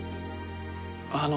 あの。